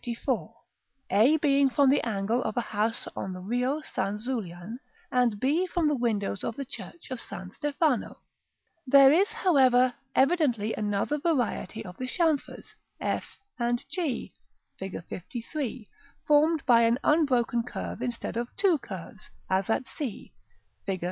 a being from the angle of a house on the Rio San Zulian, and b from the windows of the church of San Stefano. [Illustration: Fig. LIV.] § XII. There is, however, evidently another variety of the chamfers, f and g, Fig. LIII., formed by an unbroken curve instead of two curves, as c, Fig.